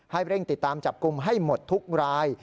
เร่งติดตามจับกลุ่มให้หมดทุกราย